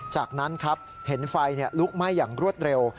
จากนั้นครับเห็นไฟลุกไหม้อย่างรวดเร็ว